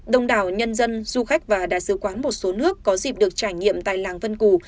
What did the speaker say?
đông đảo nhân dân du khách và đại sứ quán một số nước có dịp được trải nghiệm tại làng vân cù